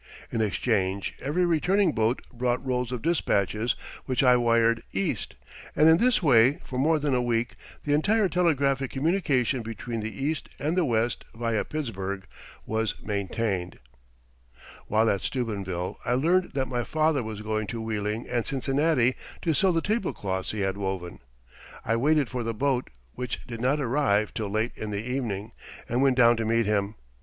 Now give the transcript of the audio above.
In exchange every returning boat brought rolls of dispatches which I wired East, and in this way for more than a week the entire telegraphic communication between the East and the West via Pittsburgh was maintained. While at Steubenville I learned that my father was going to Wheeling and Cincinnati to sell the tablecloths he had woven. I waited for the boat, which did not arrive till late in the evening, and went down to meet him.